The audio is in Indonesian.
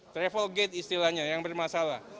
travel gate istilahnya yang bermasalah